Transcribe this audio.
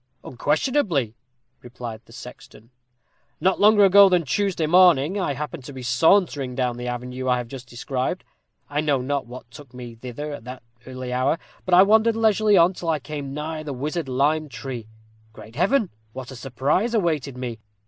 "Unquestionably," replied the sexton. "Not longer ago than Tuesday morning, I happened to be sauntering down the avenue I have just described. I know not what took me thither at that early hour, but I wandered leisurely on till I came nigh the Wizard Lime Tree. Great Heaven! what a surprise awaited me!